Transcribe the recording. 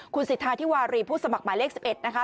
คุณสิทธาธิวารีผู้สมัครหมายเลข๑๑นะคะ